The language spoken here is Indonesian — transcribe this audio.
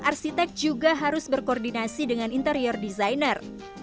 arsitek juga harus berkoordinasi dengan interior designer